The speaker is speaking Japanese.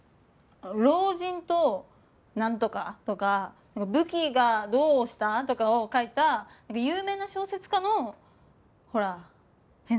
「老人となんとか」とか「武器がどうした」とかを書いた有名な小説家のほらえっ